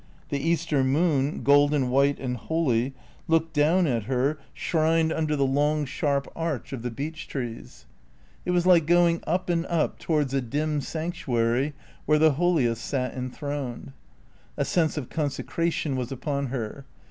The Easter moon, golden white and holy, looked down at her, shrined under the long sharp arch of the beech trees; it was like going up and up towards a dim sanctuary where the holiest sat enthroned. A sense of consecration was upon her.